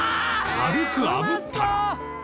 軽くあぶったら